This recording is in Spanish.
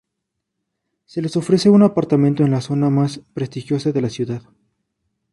Se les ofrece un apartamento en la zona más prestigiosa en la ciudad.